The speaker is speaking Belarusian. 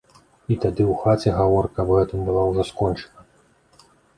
І тады ў хаце гаворка аб гэтым была ўжо скончана.